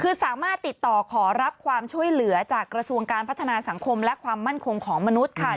คือสามารถติดต่อขอรับความช่วยเหลือจากกระทรวงการพัฒนาสังคมและความมั่นคงของมนุษย์ค่ะ